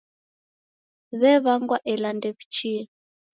W'ew'angwa ela ndew'ichie.